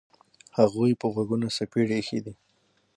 هغوی په غوږونو څپېړې ایښي دي.